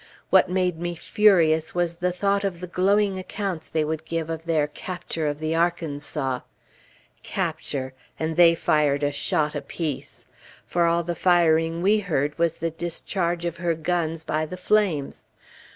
What made me furious was the thought of the glowing accounts they would give of their "capture of the Arkansas!!!" Capture, and they fired a shot apiece! for all the firing we heard was the discharge of her guns by the flames.